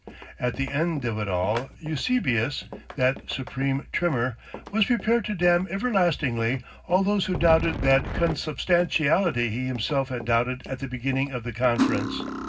At the end of it all Eusebius, that supreme Trimmer, was prepared to damn everlastingly all those who doubted that consubstantiality he himself had doubted at the beginning of the conference.